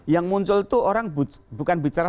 yang muncul itu orang bukan bicara